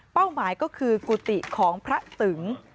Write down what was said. หมายก็คือกุฏิของพระตึง